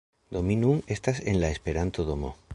Do mi nun estas en la Esperanto-domo